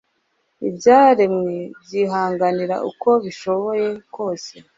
Ibyaremwe byihanganira uko bishoboye kose